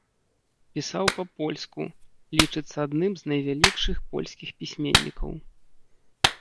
Пісаў па-польску, лічыцца адным з найвялікшых польскіх пісьменнікаў.